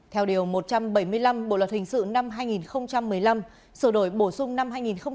theo điều một trăm bảy mươi năm bộ luật hình sự năm hai nghìn một mươi năm sửa đổi bổ sung năm hai nghìn một mươi bảy